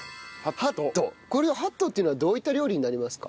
これははっとっていうのはどういった料理になりますか？